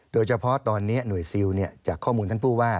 โดยเฉพาะตอนนี้หน่วยซิลจากข้อมูลท่านผู้ว่า